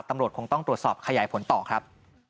ตำรวจคงต้องตรวจสอบขยายผลต่อครับ